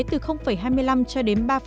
từ hai mươi năm cho đến ba sáu